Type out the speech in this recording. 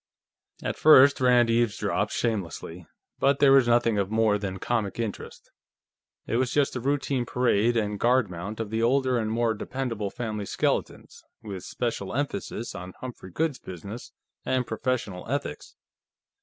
At first Rand eavesdropped shamelessly, but there was nothing of more than comic interest; it was just a routine parade and guard mount of the older and more dependable family skeletons, with special emphasis on Humphrey Goode's business and professional ethics.